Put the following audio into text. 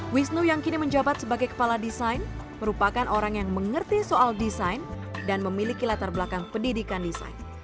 wisnu yang kini menjabat sebagai kepala desain merupakan orang yang mengerti soal desain dan memiliki latar belakang pendidikan desain